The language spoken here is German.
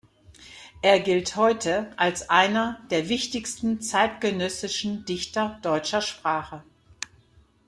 Er gilt heute als einer der wichtigsten zeitgenössischen Dichter deutscher Sprache.